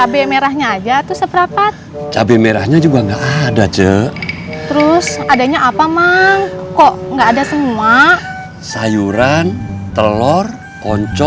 berarti kita harus pindah lokasi